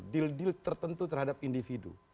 dil dil tertentu terhadap individu